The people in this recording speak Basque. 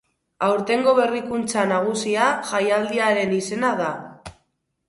Aurtengo berrikuntza nagusia jaialdiaren izena da.